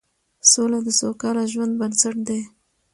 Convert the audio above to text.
سوله د سوکاله ژوند بنسټ دی